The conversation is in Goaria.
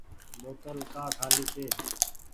بوتل ڪآ کآلي ڇي۔